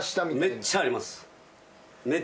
めっちゃあります。